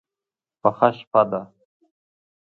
پخه شپه ده.